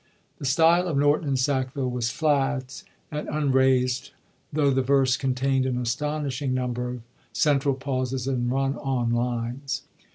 The style of Norton and Hackville was flat and unraisd, tho' the verse containd an astonishing number of central pauses and run on lines.